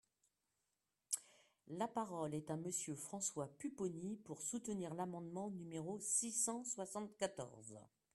La parole est à Monsieur François Pupponi, pour soutenir l’amendement numéro six cent soixante-quatorze.